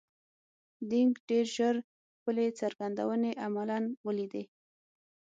دینګ ډېر ژر خپلې څرګندونې عملاً ولیدې.